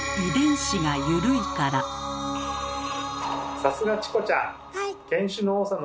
さすがチコちゃん！